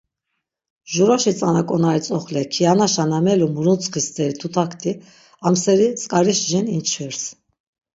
Juroşi tzana k̆onari tzoxle kianaşa na melu muruntsxi steri tutakti amseri tzk̆ariş jin inçvirs.